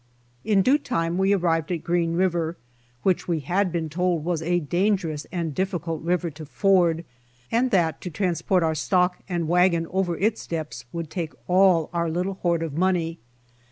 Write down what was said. In due time we arrived at Green river, which we had been told was a dangerous and diflftcult river to ford, and that to transport our stock and wagon over its depths would take all our little hoard of money.